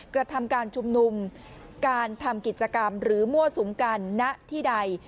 กระทำการชุมนุมการทำกิจกรรมหรือมั่วสุมกันณที่ใด